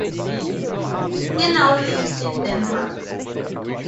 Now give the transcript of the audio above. He now lives in Denmark.